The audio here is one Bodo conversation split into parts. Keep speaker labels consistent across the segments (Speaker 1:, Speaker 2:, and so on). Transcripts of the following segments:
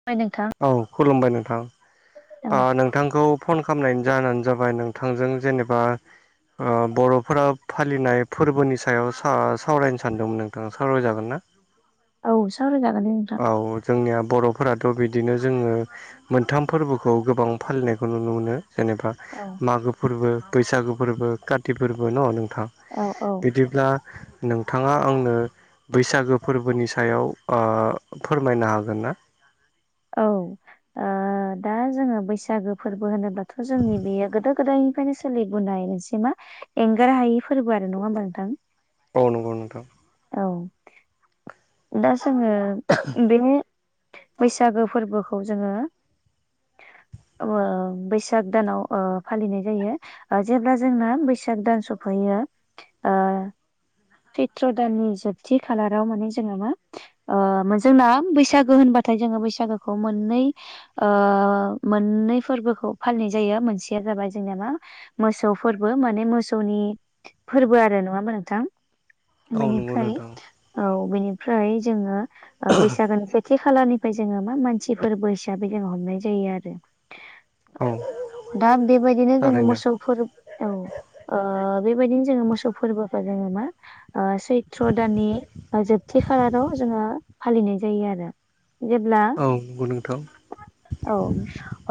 Speaker 1: ओमफाय नोंथां
Speaker 2: औ खुलुमबाय नोंथां
Speaker 1: औ
Speaker 2: ओ नोंथांखौ फन खालामनायनि जाहोनानो जाबाय नोंथांजों जेनेबा ओ बर'फोरा फालिनाय फोरबोनि सायाव सा -सावरायनो सानदोंमोन नोंथां सावरायजागोन ना?
Speaker 1: औ सावराय जागोन दे नोंथां
Speaker 2: औ जोंनिया बर'फोराथ' बिदिनो जोङो मोनथाम फोरबोखौ गोबां फालिनायखौ नुनो मोनो जेनेबा
Speaker 1: अ
Speaker 2: मागो फोरबो बैसागो फोरबो काति फोरबो न' नोंथां
Speaker 1: औ औ
Speaker 2: इदिब्ला नोंथांङा आंनो बैसागो फोरबोनि सायाव ओ फोरमायनो हागोन ना?
Speaker 1: औ दा जोंङो बैसागो फोरबो होनोब्ला जोंनि बेयो गोदो गोदायनिफ्रायनो सोलिबोनाय मोनसे मा एंगार हायि फोरबो आरो नङा होमबा नोंथां
Speaker 2: औ नगौ नोंथां
Speaker 1: औ दा जोङो बेनि बैसागो फोरबोखौ जोङो ओ बैसाग दानाव ओ फालिनाय जायो ओ जेब्ला जोंना बैसाग दान सफैयो ओ सैत्र दाननि जोबथि खालाराव माने ओ मो जोंना जोंना बैसागो होनबाथाय जोङो बैसागोखौ मोननै ओ मोननै फोरबोखौ फालिनाय जायो मोनसेया जाबाय जोंनिया मा मोसौ फोरबो माने मोसौनि फोरबो आरो नङा होमबा नोंथां
Speaker 2: औ नंगौ
Speaker 1: बेनिफ्राय
Speaker 2: नोंथां
Speaker 1: औ बेनिफ्राय जोङो ओ बैसागोनिफ्राय खाथि खालानिफ्राय जोङो मा मानसि फोरबो हिसाबै जोङो हमनाय जायो आरो
Speaker 2: औ
Speaker 1: दा बेबायदिनो जोङो
Speaker 2: थारैनो
Speaker 1: मोसौफोर औ ओ बेबायदिनो जोङो मोसौ फोरबोखो जोङो मा ओ सैत्र' ओ दाननि जोब थि खालाराव जोङो फालिनाय जायो आरो जेब्ला
Speaker 2: औ नंगौ नोंथां
Speaker 1: औ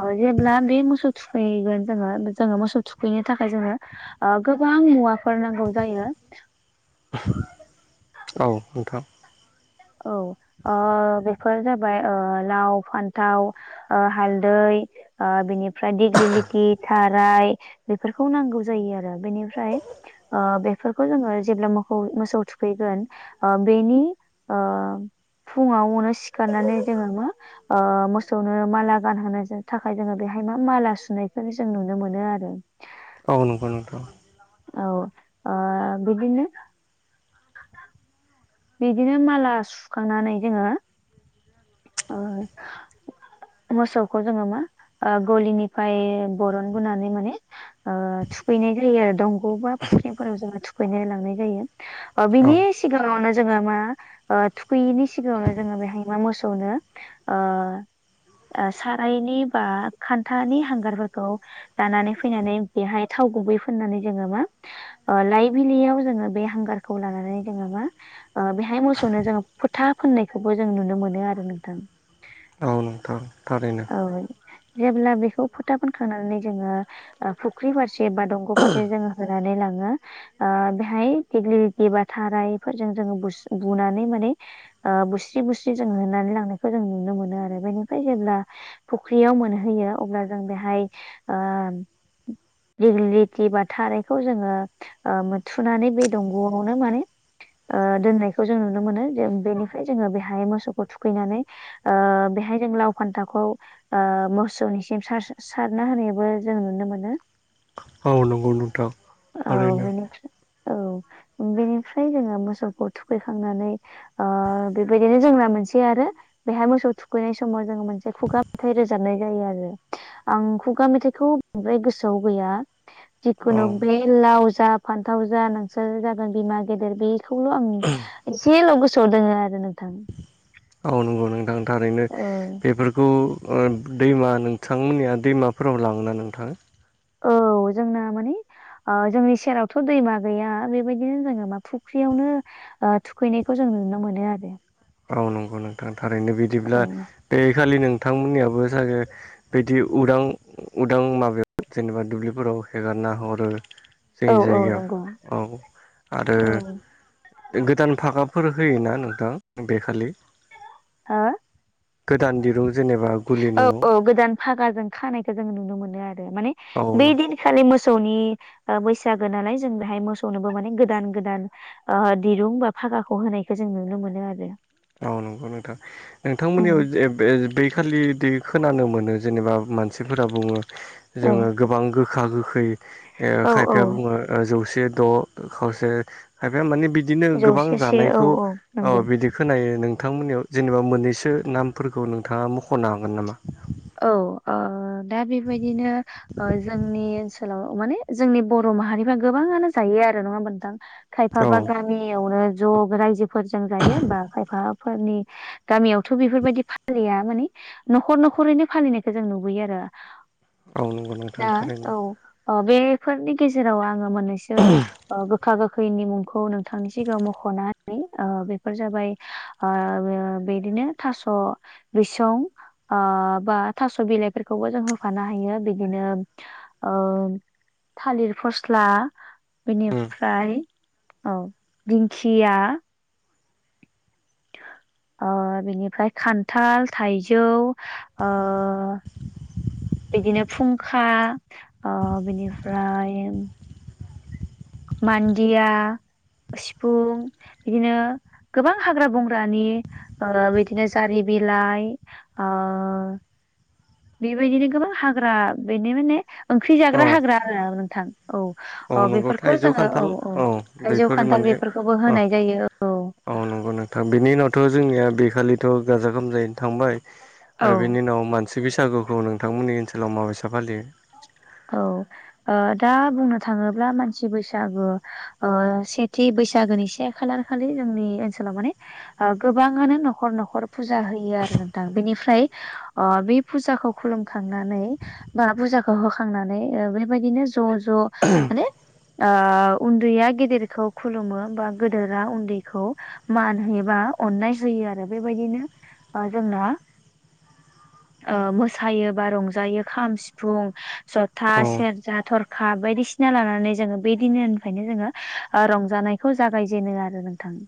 Speaker 1: अ जेब्ला बे मोसौ थुखैगोन जोङो जोङो मोसौ थुखैनो थाखाय जोङो ओ गोबां मुवाफोर नांगौ जायो
Speaker 2: औ नोंथां
Speaker 1: औ ओ बेफोर जाबाय ओ लाव फान्थाव ओ हालदै ओ बिनिफ्राय दिग्लिलिथि थार राय बेफोरखौ नांगौ जायो आरो बेनिफ्राय ओ बेफोरखौ जोङो जेब्ला मो मोसौ थुखैगोन ओ बेनि ओ फुङावनो सिखारनानै जोङो मा ओ मोसौनो माला गानहोनो थाखाय जोङो बेहाय मा माला सुनायखौ जों नुनो मोनो आरो
Speaker 2: औ नंगौ नोंथा
Speaker 1: औ आ बिदि बिदिनो माला सुखांनानै जोङो ओ मोसौखौ जोङो मा ओ गलिनिफ्राय बरन बोनानै माने ओ थुखैनाय जायो आरो दंग' बा फुख्रिफोराव जोङो थुखैनो लांनाय जायो। ओ
Speaker 2: औ
Speaker 1: बिनि सिगाङावनो जोङो मा ओ थुखोयिनि सिगाङावनो जोङो बेहाय मा मोसौ खौनो आ सारायनि बा खान्थानि हांगारफोरखौ लानानै फैनानै बेहाय थाव गुबै फुननानै जोङो मा ओ लाइबिलियाव जोङो बे हांगारखौ लानानै जोङो मा ओ बेहाय मोसौनो जोङो फोथा फोननायखौबो जों नुनो मोनो आरो नोंथां
Speaker 2: औ नोंथां थारैनो
Speaker 1: औ जेब्ला बेखौ फोथा फोनखांनानै जोङो ओ फुख्रि फारसे बा दंग' फारसे जोङो होनानै लाङो बेहाय दिग्लिलिथि बा थारायफोरजों जोङो [unintelligible] बुनानै माने ओ बुस्रि बुस्रि जों होनानै लांनायखौ जों नुनो मोनो आरो बेनिफ्राय जेब्ला फुख्रियाव मोनहैयो अब्ला जों बेहाय दिगिलिटि बा थारायखौ जोङो ओ मोनोथुनानै बे दंग'आवनो माने ओ दोननायखौ जों नुनो मोनो जों बेनिफ्राय जोङो बेहाय मोसौखौ थुखैनानै ओ बेहाय जों लाव फान्थावखौ ओ मोसौनिसिम सार सारना होनायबो जों नुनो मोनो।
Speaker 2: औ नंगौ नोंथां
Speaker 1: औ
Speaker 2: थारैनो
Speaker 1: बेनिफ्राय औ बेनिफ्राय जोङो मोसौखौ थुखैखांनानै ओ बेबायदिनो जोंना मोनसे आरो बेहाय मोसौ थुखैनाय समाव जोंङो मोनसे खुगा मेथाइ रोजाबनाय जायो आरो आं खुगा मेथाइखौ बांद्राय गोसोआव गैया
Speaker 2: औ
Speaker 1: जिखुनु बे लाव जा फान्थाव जा नोंसोर जागोन बिमा गेदेर बेखौल' आं एसेल' गोसोआव दोङो आरो नोंथां
Speaker 2: औ नंगौ नोंथां थारैनो
Speaker 1: औ
Speaker 2: बेफोरखौ ओ दैमा नोंथांमोननिया दैमाफोराव लाङोना नोंथां
Speaker 1: औ जोंना माने ओ जोंनि सेरावथ' दैमा गैया बेबायदिनो जोङो मा फुख्रियावनो ओ थुखैनायखौ जों नुनो मोनो आरो
Speaker 2: औ नंगौ नोंथां थारैनो बिदिब्ला
Speaker 1: औ
Speaker 2: बे खालि नोंथांमोननियाबो सागे बिदि उदां उदां माबायाव जेनेबा दुब्लिफोराव हेगारना हरो जोंनि
Speaker 1: औ औ
Speaker 2: जायगायाव
Speaker 1: नंगौ
Speaker 2: औ आरो
Speaker 1: औ
Speaker 2: गोदान फागाफोर होयोना नोंथां बेखालि
Speaker 1: हो
Speaker 2: गोदान दिरुं जेनेबा गुलि
Speaker 1: औ
Speaker 2: न'आव
Speaker 1: औ गोदान फागाजों खानायखौ जों नुनो मोनो आरो माने
Speaker 2: औ
Speaker 1: बै
Speaker 2: न
Speaker 1: दिन खालि मोसौनि ओ बैसागो नालाय जों बेहाय मोसौनोबो माने गोदान गोदान ओ दिरुं बा फागाखौ होनायखौ जों नुनो मोनो आरो
Speaker 2: औ नंगौ नोंथां
Speaker 1: उम
Speaker 2: नोंथांमोननियाव जे बे बैखालि दि खोनानो मोनो जेनेबा मानसिफोरा बुङो
Speaker 1: औ
Speaker 2: जोङो गोबां गोखा गोखै ओ
Speaker 1: औ औ
Speaker 2: खायफाया बुङो ओ जौसे द' खावसे खायफाया मानि बि दिनो गोबां
Speaker 1: जौसेसे औ
Speaker 2: जानायखौ औ
Speaker 1: नंगौ
Speaker 2: बिदि खोनायो नोंथांमोननियाव जेनेबा मोननैसो नामफोरखौ नोंथाङा मख'नो हागोन नामा
Speaker 1: औ दा बेबायदिनो जोंनि ओनसोलाव माने जोंनि बर' माहारिफ्रा गोबाङानो जायो आरो नङा होमबा नोंथांखायफा
Speaker 2: औ
Speaker 1: बा गा मियावनो ज' रायजोफोरजों जायो बा खायफाफोरनि गामियावथ बेफोरबायदि फालिया माने न'खर न'खर रैनो फालिनायखौ जों नुबोयो आरो
Speaker 2: औ नंगौ नोंथां
Speaker 1: दा
Speaker 2: थारैनो
Speaker 1: औ बेफोरनि गेजेराव आङो मोननैसो गोखा गो खैनि मुंखौ नोंथांनि सिगाङाव मखना होनि बेफोर जाबाय ओ बेदिनो थास बिसं ओ बा थास बिलाइफोरखौबो जों होफानो हायो बिदिनो थालिर फस्ला
Speaker 2: उम
Speaker 1: बेनिफ्राय औ दिंखिया बिनिफ्राय खान्थाल थाइजौ ओ बिदिनो फुंखा ओ बिनिफ्राय मान्दिया सिफुं बिदिनो गोबां हाग्रा बंग्रानि बिदिनो जारि बिलाइ ओ बेबायदिनो गोबां हाग्रा बेनो माने ओंख्रि
Speaker 2: औ
Speaker 1: जाग्रा हाग्रा आरो नोंथां औ
Speaker 2: औ
Speaker 1: अ
Speaker 2: नंगौ
Speaker 1: बेफोरखौ
Speaker 2: थाइजौ
Speaker 1: जोङो औ
Speaker 2: खान्थाल
Speaker 1: औ थाइजौ
Speaker 2: बेफोर
Speaker 1: खान्थाल
Speaker 2: माने
Speaker 1: बेफोरखौबो
Speaker 2: अ
Speaker 1: होनाय जायो औ
Speaker 2: औ नंगौ नोंथां बेनि उनावथ‌ जोंनिया बेखालिथ गाजा गोमजायैनो थांबाय आरो
Speaker 1: औ
Speaker 2: बेनि उनाव मानसि बैसागुखौ नोंथांमोननि ओनसोलाव माबायसा फालियो
Speaker 1: औ दा बुंनो थाङोब्ला मानसि बैसागो सेथि बैसागोनि से खालार खालि जोंनि ओनसोलाव माने गोबाङानो न'खर न'खर फुजा होयो आरो नोंथां बेनिफ्राय बे फुजाखौ खुलुमखांनानै बा फुजाखौ हो खांनानै बेबायदिनो ज' ज' माने ओ उन्दैया गेदेरखौ खुलुमो बा गोदोरा उन्दैखौ मान होयोबा अननाय होयो आरो बेबायदिनो जोंना ओ मोसायो बा रंजायो खाम सिफुं जथा
Speaker 2: औ
Speaker 1: सेरजा थरखा बायदिसिना लानानै जोङो बे दिनानिफ्रायनो जोङो रंजानायखौ जागायजेनो आरो नोंथां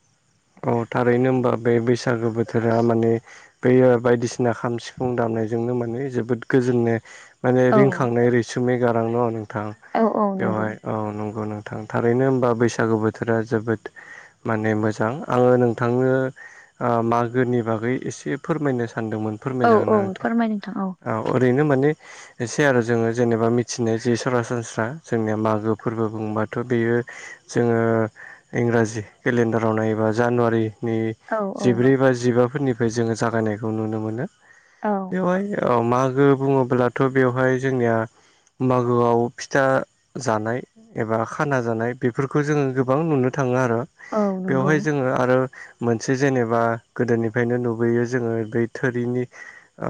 Speaker 2: औ थारैनो होनबा बे बैसागो बोथोरा माने बेयो बायदिसिना खाम सिफुं दामनायजोंनो माने जोबोद गोजोननाय माने
Speaker 1: औ
Speaker 2: रिंखांनाय रैसुमै गारां दङ नोंथां
Speaker 1: औ औ नंगौ
Speaker 2: बेवहाय औ नंगौ नोंथां थारैनो होनबा बैसागु बोथोरा जोबोद माने मोजां आङो नोंथांनो मागोनि बागै एसे फोरमायनो सानदोंमोन फोरमायजागोना औ नोंथां औ ओरैनो माने एसे आरो जोङो जेनेबा मिथिनाय जि सरासनस्रा जोंनिया मागो फोरबो बुंबाथ बेयो जोङो इंराजि केलेन्डाराव नायोबा जानुवारिनि
Speaker 1: औ औ
Speaker 2: जिब्रै बा जिबाफोरनिफ्राय जोङो जागायनायखौ नुनो मोनो
Speaker 1: औ
Speaker 2: बेवहाय मागो बुङोब्लाथ बेवहाय जोंनिया मागोआव फिथा जानाय एबा खाना जानाय बेफोरखौ जोङो गोबां नुनो थाङो आरो
Speaker 1: औ नंगौ
Speaker 2: बेवहाय जोङो आरो मोनसे जेनेबा गोदोनिफ्रायनो नुबोयो जोङो बै थोरिनि आ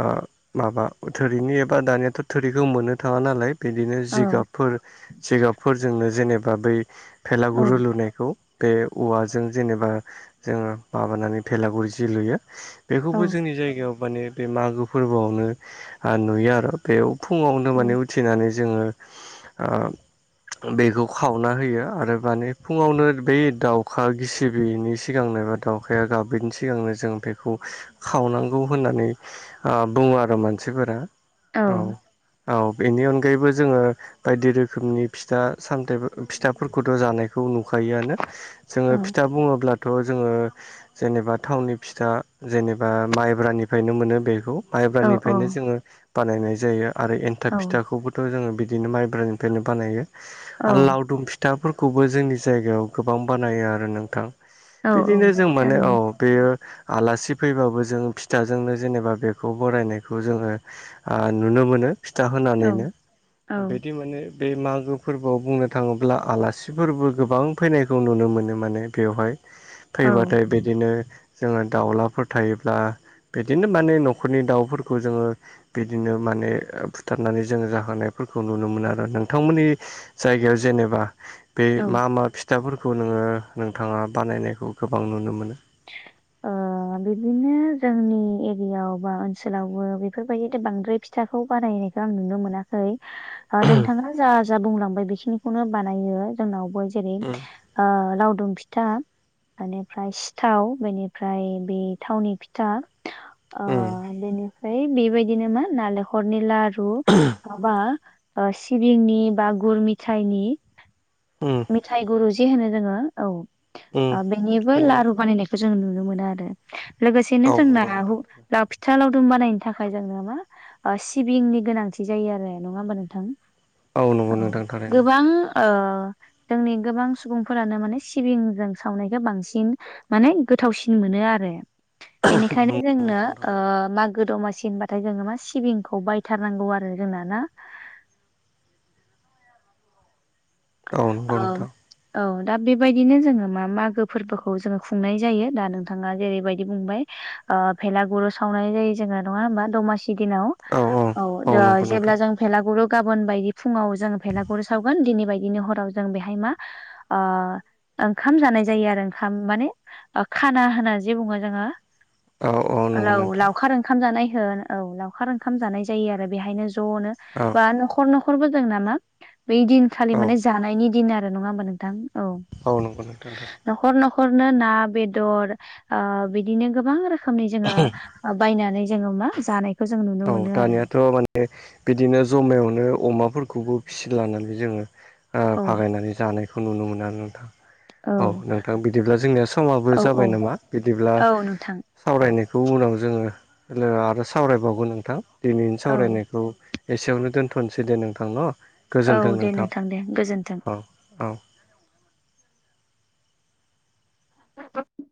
Speaker 2: माबा थोरिनि एबा दानियाथ थोरिखौ मोननो थाङा नालाय बिदिनो
Speaker 1: औ
Speaker 2: जिगाबफोर जिगाबफोरजोंनो जेनेबा बै
Speaker 1: औ
Speaker 2: भेलागुरु लुनायखौ बे औवाजों जेनेबा जोङो माबानानै भेलागुरि जि लुयो
Speaker 1: औ
Speaker 2: बेखौबो जोंनि जायगायाव माने बे मागो फोरबोआवनो नुयो आरो बेयाव फुङावनो माने उथिनानै जोङो ओ बेखौ खावना होयो आरो माने फुङावनो बै दाउखा गिसि बिनि सिगांनो एबा दावउखाया गाबिनि सिगांनो जों बेखौ खावनांगौ होननानै ओ बुङो आरो मानसिफोरा औ औ बेनि अनगायैबो जोङो बायदि रोखोमनि फिथा सामथा फिथाफोरखौथ' जानायखौ नुखायोआनो जोङो फिथा बुङोब्लाथ' जोङो जेनेबा थावनि फिथा जेनेबा माइब्रानिफ्रायनो मोनो बेखौ
Speaker 1: औ
Speaker 2: माइब्रानिफ्रायनो जोङो बानायनाय जायो आरो एन्थाब
Speaker 1: औ
Speaker 2: फिथाखौबो थ' जोङो बिदिनो माइब्रानिफ्रायनो बानायो आरो लावदुम फि थाफोरखौबो जोंनि जायगायाव गोबां बानायो आरो नोंथां
Speaker 1: औ औ
Speaker 2: बिदिनो जों माने औ
Speaker 1: थारैनो
Speaker 2: बेयो आलासि फैबाबो जों फिथाजोंनो जेनेबा बेखौ बरायनायखौ जोङो ओ नुनो मोनो फिथा
Speaker 1: औ
Speaker 2: होननानैनो
Speaker 1: औ
Speaker 2: बिदि माने बे मागो फोरबोआव बुंनो थाङोब्ला आलासिफोरबो गोबां फैनायखौ नुनो मोनो माने बेवहाय फैबाथाय
Speaker 1: औ
Speaker 2: बिदिनो जोङो दाउलाफोर थायोब्ला बिदिनो माने न'खरनि दाउफोरखौ जोङो बिदिनो माने बुथारनानै जोङो जाहोनायफोरखौ नुनो मोनो आरो नोंथांमोननि जायगायाव जेनेबा बे
Speaker 1: औ
Speaker 2: मा मा फिथाफोरखौ नोङो नोंथाङा बानायनायखौ गोबां नुनो मोनो
Speaker 1: ओ
Speaker 2: [inaudible]
Speaker 1: बिदिनो जोंनि एरियाव बा ओनसोलावबो बेफोरबायदि बांद्राय फि फिथाखौ बानायनायखौ आं नुनो मोना है ओ नोंथाङा जा जा बुंलांबाय बेखिनिखौनो बानायो जोंनावबो जेरै ओ लावदुम फिथा बेनिफ्राय सिथाव बेनि फ्राय बे थावनि फिथा ओ
Speaker 2: उम
Speaker 1: बेनिफ्राय बेबायदिनो मा नालेंखरनि लारु माबा ओ सिबिंनि बा गुर मिथाइनि
Speaker 2: उम
Speaker 1: मिथाइ गुरु जि होनो जोङो
Speaker 2: उम
Speaker 1: औ बेनिबो लारु बानायनाय खौ जों नुनो मोनो आरो लोगोसेनो जोंना
Speaker 2: नंगौ नोंथां
Speaker 1: लाव फिथा लावदुम बानायनो थाखाय जोंनो मा ओ सिबिंनि गोनांथि जायो आरो नङा होमबा नोंथां
Speaker 2: नंगौ नोंथां नंगौ
Speaker 1: औ
Speaker 2: नोंथां थारैनो
Speaker 1: गोबां ओ जोंनि गोबां सुबुंफोरानो माने सिबिंजों सावनायखौ बांसिन माने गोथावसिन मोनो आरो बेनिखायनो
Speaker 2: नंगौ
Speaker 1: जोंनो
Speaker 2: नोंथां
Speaker 1: ओ
Speaker 2: थारैनो
Speaker 1: मागो दमासि होनबाथाय जोङो मा सिबिंखौ बायथारनांगौ आरो जोंना ना
Speaker 2: औ
Speaker 1: औ
Speaker 2: नंगौ नोंथां
Speaker 1: औ दा बेबायदिनो जोङो मा मागो फोरबोखौ जोङो खुंनाय जायो दा नोंथाङा जेरैबायदि बुंबाय ओ भेलागुर सावनाय जायो जोङो नङा होमबा दमासि दिनाव औ दा
Speaker 2: नंगौ
Speaker 1: जेब्ला
Speaker 2: नोंथां
Speaker 1: जों भेलागुरखौ गाबोन बायदि फुङाव जों भेलागुर सावगोन दिनै बायदि बिनि हराव जों बेहाय मा आ ओंखाम जानाय जायो आरो ओंखाम माने खाना होनना जे बुङो जोङो
Speaker 2: औ नंगौ
Speaker 1: लाव
Speaker 2: नोंथां
Speaker 1: लावखार ओंखाम जानाय होन औ लावखार ओंखाम जानाय जायो आरो बेहायनो ज'नो
Speaker 2: औ
Speaker 1: बा न'खर न'खरबो जों नामा बै दिन खालि
Speaker 2: औ
Speaker 1: माने जानायनि दिन आरो नङा होमबा नोंथां औ
Speaker 2: औ नंगौ नोंथां थां
Speaker 1: न'खर न'खरनो ना बेदर ओ बिदिनो गोबां रोखोमनि जोङो बायनानै जोङो मा जानाय
Speaker 2: औ दानियाथ' माने बिदिनो जमायावनो अमाफोरखौबो फिसि लानानै जोङो ओ
Speaker 1: औ
Speaker 2: फागायनानै जानायखौ नुनो मोनो आरो नोंथां औ नोंथां बिदिब्ला जोंनिया समाबो
Speaker 1: औ औ
Speaker 2: जाबाय नामा बिदिब्ला
Speaker 1: औ नोंथां
Speaker 2: सावरायनायखौ उनाव जोङो आरो सावरायबावगोन नोंथां दिनैनि
Speaker 1: औ
Speaker 2: सावरायनायखौ एसेयावनो दोन्थ'नोसै दे नोंथां न'
Speaker 1: औ
Speaker 2: गोजोन्थों
Speaker 1: दे
Speaker 2: नोंथां
Speaker 1: दे गोजोन्थों
Speaker 2: औ औ।
Speaker 1: [inaudible]